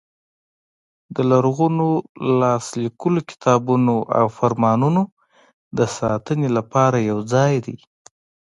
د لرغونو لاس لیکلو کتابونو او فرمانونو د ساتنې لپاره یو ځای دی.